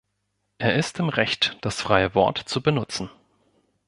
Er ist im Recht, das freie Wort zu benutzen.